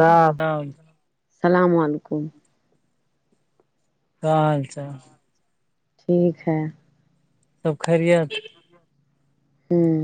رام سب السلام علیکم [unintelligible] ٹھیک ہے سب خیریت ہمم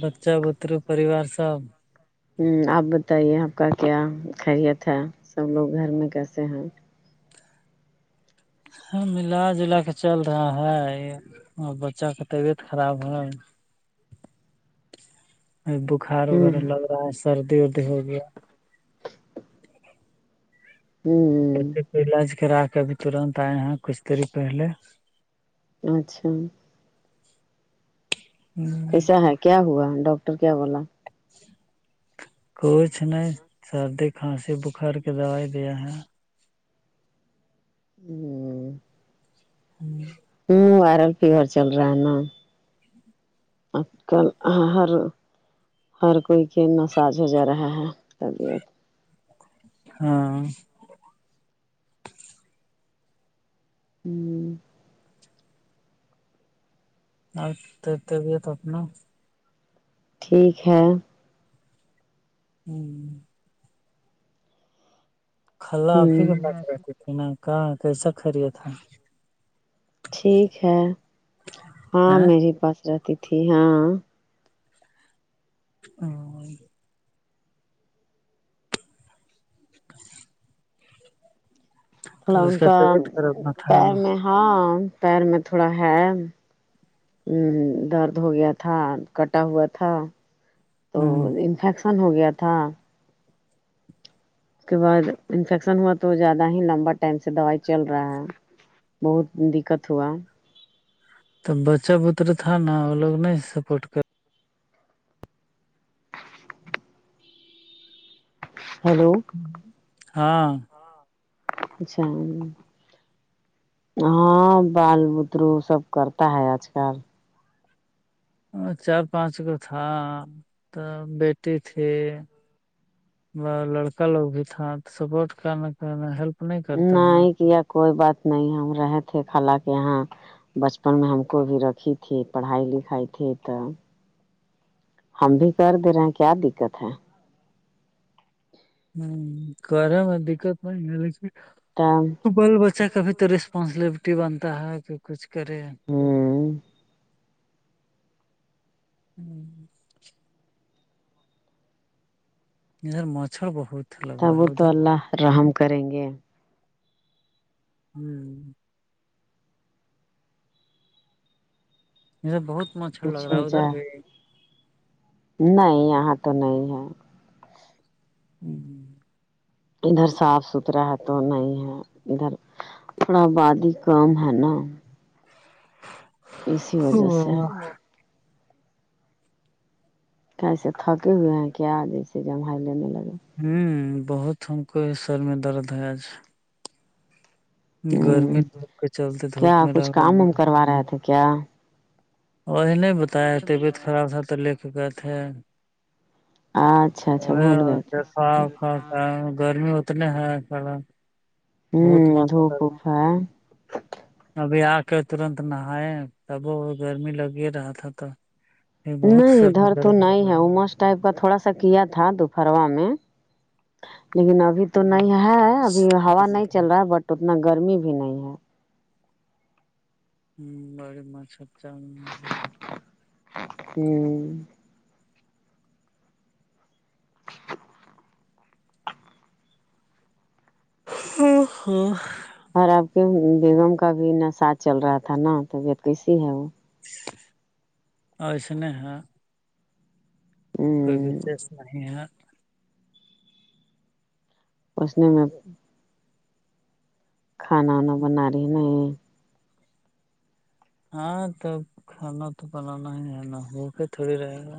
بچا بتر و پریوار سب ہ آپ بتائیے آپ کا کیا خیریت ہے سب لوگ گھر میں کیسے ہیں ہم ملا جلا کے چل رہا ہے اور بچا کے طبیعت خراب ہو [inaudible] بخار وغیرہ ہوں لگ رہا ہے سردی وردی ہوگیا ہمم ایسے ہمم علاج کرا کے اب ترنت آئے ہیں کچھ دیری پہلے اچھا کیسا ہے کیا ہوا ڈاکٹر کیا بولا کچھ نہیں سردی کھانسی بخار کے دوائی دیا ہے ہوں ہمم ہمم وائرل فیور چل رہا ہے نا آج کل ہر ہر کوئی کے نا ساز ہو جا رہا ہے طبیعت ہاں ہمم ا تو تبھی تو اپنا ٹھیک ہے ہوں خالہ آپ ہی ہوں کے پاس رہتی تھی نا کہاں کیسا خیریت ہے ٹھیک ہے ہاں میرے پاس رہتی تھی ہاں ہاں [inaudible] تو اس ان کا طبیعت خراب نہ تھا پیر میں ہاں پیر میں تھوڑا ہے ا درد ہو گیا تھا کٹا ہوا تھا تو ہوں انفیکشن ہو گیا تھا اس کے بعد انفیکشن ہوا تو زیادہ ہی لمبا ٹائم سے دوائی چل رہا ہے بہت دقت ہوا تو بچہ بتر تھا نا وہ لوگ نہیں سپورٹ کر ہیلو ہاں نشان ہاں بال بترو سب کرتا ہے آج کل وہ چار پانچ گ تھا تو بیٹی تھی ب لڑکا لوگ بھی تھا سپورٹ کرنا ہیلپ نہیں کرتا ہے نہیں کیا کوئی بات نہیں ہم رہے تھے خالہ کے یہاں بچپن میں ہم کو بھی رکھی تھی پڑھائی لکھائی تھی کام ہم بھی کر دے رہے ہیں کیا دقت ہے کرے میں دقت نہیں [unintelligible] کون [unintelligible] بال بچہ کا بھی تو ریسپانسبلٹی بنتا ہے کہ کچھ کرے ہوں [inaudible] ادھر مچھر بہت لگ تب رہا وہ ہے تو ادھر اللہ رحم کریں گے ہوں [unintelligible] ادھر بہت مچھر لگ کچھ رہا ہو ہے ادھر جائے بھی نہیں یہاں تو نہیں ہے [inaudible] ادھر صاف ستھرا ہے تو نہیں ہے ادھر یہاں آبادی کم ہے نا اسی وجہ سے بھی کیسے تھکے ہوئے ہیں کیا جیسے جمھائی لینے لگا ہوں بہت تھک گئے سر میں درد ہے آج ہوں گرمی دھوپ کے چلتے کیا دھوپ میں کچھ رہ کام گئے وم ہیں کروا رہے تھے کیا وہی نہیں بتایا طبیعت خراب تھا تو لے کے گئے تھے اچھا اچھا بھول گئے تھے سوری [unintelligible] گرمی اتنے ہے کہا ہوں دھوپ واپ ابھی آ کے ترنت نہائے تب وہ گرمی لگ ہی رہا تھا تو یہ بہت نہیں سر میں ادھر تو درد ہو نہیں گیا ہے امس ٹائپ کا تھوڑا سا کیا تھا دوپروا میں لیکن ابھی تو نہیں ہے ابھی ہوا نہیں چل رہا ہے بٹ اتنا گرمی بھی نہیں ہے بڑی [unintelligible] ہوں ہو ہو اور آپ کے بیگم کا بھی ناساز چل رہا تھا نا تبیت کیسی ہے وہ ایسنے ہے [unintelligible] [unintelligible] کوئی ہ بشیش نہیں ہے پسینے میں کھنا وانا بنا رہی نی ہاں تب کھانا تو بنانا ہی ہے نا بھوکے تھوڑی رہے گا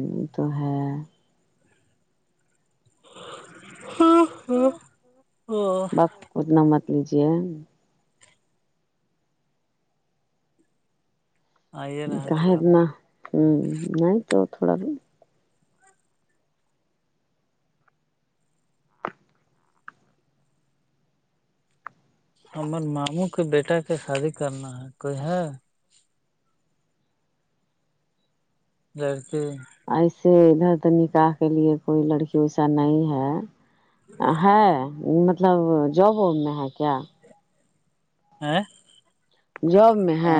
یہ تو ہے ہوں ہوں بس اتنا مت لیجیے آئیے [unintelligible] رہا تو کا کاہیئنا نہیں تو تھوڑا ہمر ماموں کے بیٹا کے شادی کرنا ہے کوئی ہے [unintelligible] ایسے ادھر نکاح کے لیے کوئی لڑکی ویسا نہیں ہے ہے مطلب جاب وب میں ہے کیا ہیں جاب میں ہے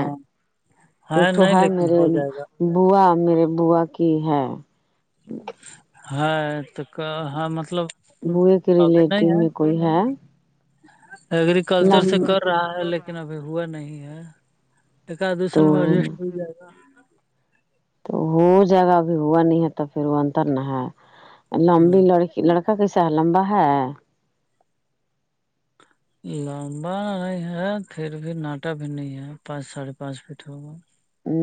ایک تو نہیں ہے لیکن میرے ہو جائے گا بوا میرے بوا کی ہے ہے تو کہا ہے مطلب بوئے کے ریلیٹیو میں کوئی ہے اگررییکلچر لم سے کر رہا ہے لیکن ابھی ہوا نہیں ہے [unintelligible] میں تو ایڈجسٹ ہو جائے گا تو ہو جائے گا ابھی ہوا نہیں ہے تو پھر وہ انتر نہ ہے لمبی ہاں لڑکی لڑکا کیسا لمبا ہے لمبا نہیں ہے پھر بھی ناٹا بھی نہیں ہے پانچ ساڑھے پانچ فٹ ہوگا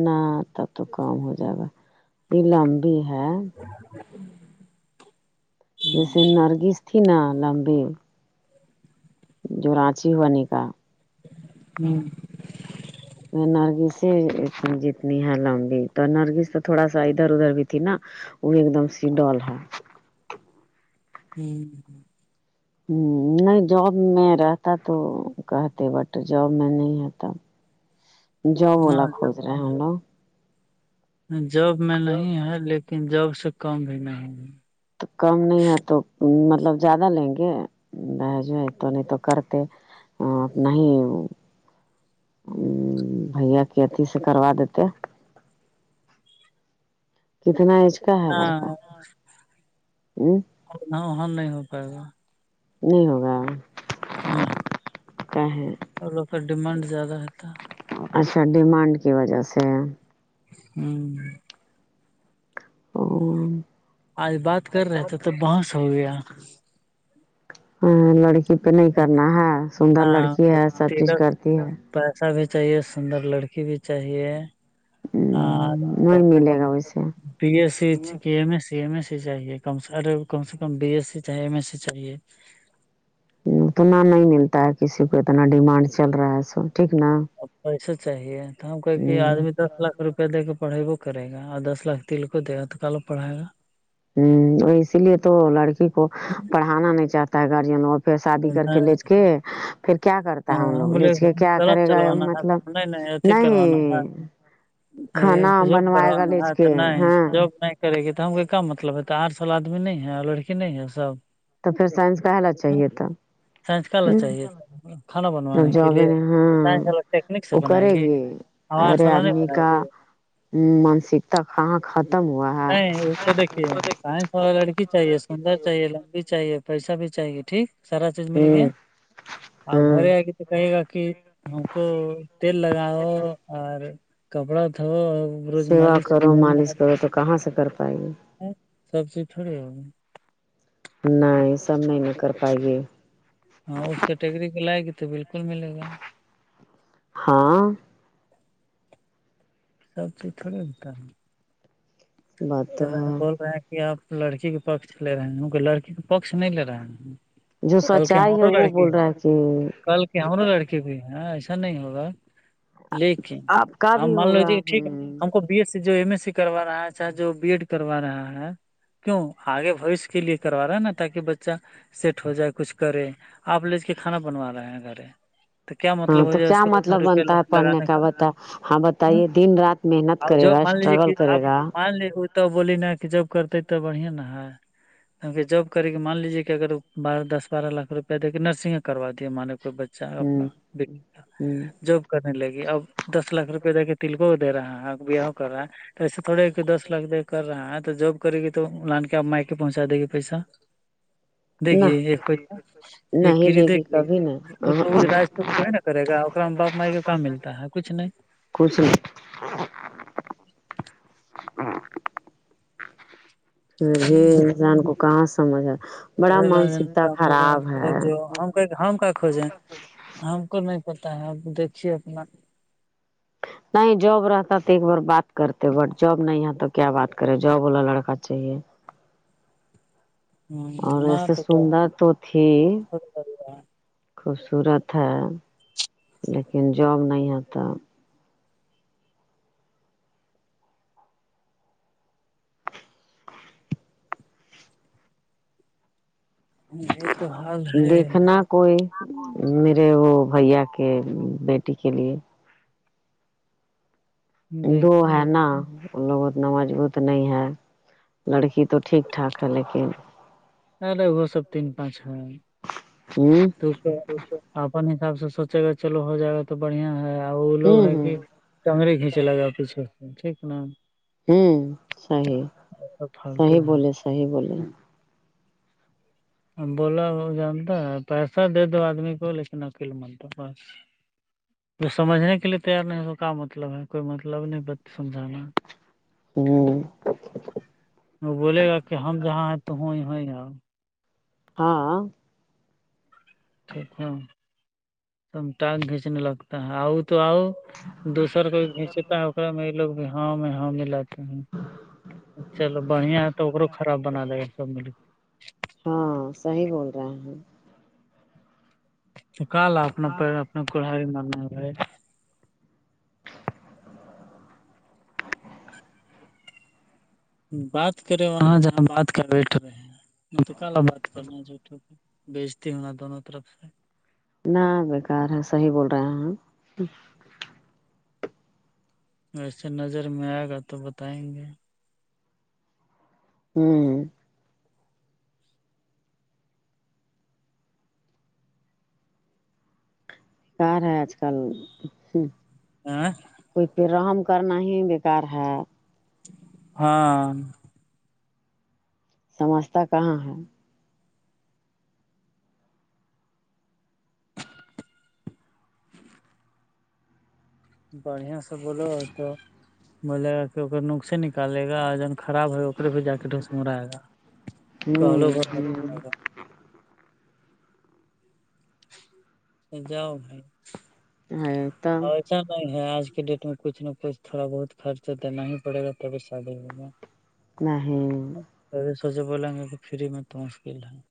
نہ تب تو کام ہو جائے گا یہ لمبی ہے [inaudible] [unintelligible] جیسے نرگس تھی نا لمبے جو رانچی ہوا ن کاا ہوں نرگس ہی ا جتنی ہے لمبی تو نرگس تو تھوڑا سا ادھر ادھر بھی تھی نا وہ ایک دم سیڈل ہے ہوں ہ نہیں جاب میں رہتا تو کہتے بٹ جاب میں نہیں آتا جو بولا نہ کھوز رہا ہے ہم لوگ جاب میں نہیں ہے لیکن جاب سے کم بھی نہیں ہے تو کم نہیں ہے تو مطلب زیادہ لیں گے رہج تو نہیں تو کرتے ا نہیں ہی [unintelligible] ہ بھیا کے اتھی سے کروا دیتے کتنا ایج کا ہے لڑکا ہ ہاں وہاں نہیں ہو پائے گا نہیں ہوگا اللہ [unintelligible] کا [unintelligible] اور لوگ کا ڈیمانڈ زیادہ رہتا اچھا ڈیمانڈ کی وجہ سے ہوں اور [unintelligible] آج بات کر رہے تھے تو بس ہو گیا ہ لڑکی پہ نہیں کرنا ہے سندر نہ لڑکی ہے سب چیز تلک کرتی ہے پیسہ بھی چاہیے سندر لڑکی بھی چاہیے اور نہیں کم سے ملے گا کم ویسے بی ایس سی کہ M S C C M S C چاہیے کم سے کم بی ایس سی چاہے ایم ایس سی چاہیے اتنا نہیں ملتا ہے کسی کو اتنا ڈیمانڈ چل رہا ہے سو ٹھیک نا اب پیسے چاہیے تو ہم کہ کہ ہوں آدمی دس لاکھ روپیہ دے کے پڑے کرے گا اور دس لاکھ تل کو دے گا تو کالو پڑھائے گا ہوں اسی لیے تو لڑکی کو پڑھانا نہیں چاہتا ہے گارجین اور پھر شادی کر کے نہیں لچ کے پھر کیا کرتے تو ہم لوگ بولے لیچ کے کیا قلم کرے گا چلوانا ہے مطلب نہیں اھی نہیں کروانا ہے کھانا یہ جاب بنوائے کروانا گلیج ہے تو کے نہیں ہاں جاب نہیں کرے گ تو ہم کو کیا مطلب ہے آٹر سال آدمی نہیں ہے اور لڑکی نہیں ہے سب تو پھر سائنس کہنا ہاں، چاہیے ت سائنس کا لا ہ چاہیے تھا کھانا جب بنوانے کے لیے جگے ہاں سائنس والا ٹیکنک سے وہ بنائے کرے گی گے ہمارا ارے سالہ نہیں آدمی بنائے کا گی ہ مانسکتا کہاں ختم ہوا ہے تھا لڑکی چاہیے سندر چاہیے لمبی چاہیے پیسہ بھی چاہیے ٹھیک سارا چیز مل گیا ہوں آ ہاں گری آگ ت کئی کااکی ہم کو تل لگاؤ اور کپڑا دو سیوا کرو مالش کرو تو کہاں سے کر پائے گی سب چیز تھوڑی ہوگی [unintelligible] نہیں سب نہیں نہیں کر پائیے ہاں اس کیٹیگری کو لائے گی تو بالکل ملے گا ہاں س چیز تھوڑی ہوتار [unintelligible] بات تو ہے بول رہا ہے کہ آپ لڑکی کے پکھ لے رہے ہیں کیک لڑکی کا پکھ نہیں لے رہے جو کل کے سچائی ہے ہمارو وہ لڑکی بول ہے رہا کہ کل کے ہمارو لڑکے بھی ہے ایسا نہیں ہوگا لیکن آپ کا ہم بھی مان ہوگا لوجیے کہ ٹھیک ہے ہم کو بی ایس سی جو ایم ایس سی کروا رہا ہے چاہے جو بی ایڈ کروا رہا ہے کیوں آگے بوش کے لیے کروا رہا ہے نا تاکہ بچہ سیٹ ہو جائے کچھ کرے آپ لج کے کھانا بنوا رہے ہیں گھر تو کیا ہاں مطلب ہو تو جائے اس کیا کو اتنا مطلب روپیا بنتا ہے پڑھنے لگانے کا بتا ہاں ہ بتائیے دن رات آ محنت کرے جوب گا مان لیجیے اسٹرگل کہ آپ کرے گا مان لیے تو وہ بولی نا کہ جوب کرتے ہے تب بڑے نا ہے کیونہ جاب کر کے مان لیجے کہ اگر بارہ دس بارہ لاکھ روپیہ دے کے نرسنگ کروا دیے مان کوئی بچہ اچھا اپنا ہوں کا ہوں جاب کرنے لگی اب دس لاکھ روپے دے کے تلکوں کو دے رہا ہے بیا ہو کر رہا ہے تو ایسے تھوڑے کہ دس لاکھ دے کر رہا ہے تو جو کرے گی تو لان کے آپ مائک پہنچا دے گی پیسہ دے نہ گی ایک پیسہ نہیں دے گی کبھی نہیں وہ تو را توک نا کرے گا اام میں باپ مائی کا کہاں ملتا ہے کچھ نہیں کچھ نہیں پھر بھی نہیں انسان کو کہاں سمجھ ہے بڑا ریلائنس مانسکتا کا بول رہے ہیں کہ خراب ہے کھوجو ہم ہم کا کھوجے ہیں ہم کو نہیں پتا ہے اب دیکھیے اپنا نہیں جاب رہتا تو ایک بار بات کرتے بٹ جاب نہیں ہے تو کیا بات کرے جاب والا لڑکا چاہیے ہ اور نہ ایسے تو سندر تو تھی خوبصورت ہے لیکن جاب نہیں ہے توب یہ تو حال ہے دیکھنا کوئی میرے وہ بھیا کے بیٹی کے لیے دو دیکھیں ہے گے نا لوگ اتنا مضبوط نہیں ہے لڑکی تو ٹھیک ٹھاک ہے لیکن ارے وہ سب تین پانچ ہے ہوں تو اپن حساب سے سوچے گا چلو ہو جائے گا تو بڑھیا ہے اور وہ لوگ ہوں ہے ہوں کہ کگڑری کھینچے لگا پیچھے سے ٹھیک نا ہمم صحیح سب صحیح فالتو ہے بولے صحیح بولے بولا وہ جانتا ہے پیسہ دے دو آدمی کو لیکن اکیل من دو جو سمجھنے کے لیے تیار نہیں ہے تو کا مطلب ہے کوئی مطلب نہیں سمجھانا ہوں وہ بولے گا کہ ہم جہاں ہیں تو ہو ہو ہاں ٹھیک ہے سم ٹگ کھینچنے لگتا ہے آؤ تو آؤ دوسر کو گھیچتا ہے میں یہ لوگ بھی ہاں میں ہاں م ہ چلو بڑھیا توو خراب بنا د گا سب م کے ہاں صحیح بول رہا ہیں تو کال اپنا پ اپنا کوڑاری مارنا گ بات کرے وہاں جہاں بات کا بیٹھ رہے ہیں م تو کالا بات کرنا جو بیچتی ہوں نا دونوں طرف سے ن بیکار ہے صحیح بول رہے ہیں ویسے نظر میں آئے گا تو بتائیں گے ہوں کار ہے اج کل آاں ائی پہ رحم کرنا ہی بیکار ہے ہاں سمجتاہ کہاں ہے بڑھیا سے بولو تو بولے گا کہ اک نک سے نکالے گا ج خراب ہو گ اکے پ جا کے ڈس مر آائے گا کہ لو ہوں ب ہوں جاؤ بھائی [unintelligible] اچھا نہیں ہے آج کے ڈیٹ میں کچھ نہ کچھ تھوڑا بہت خرچ تونا ہی پڑے گا تبھی شادی میں نہیں پے سوچے بولیں گے کہ فری میں تو مشکل ہے